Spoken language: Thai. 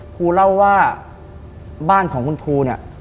ครูเล่าว่าบ้านของคุณครู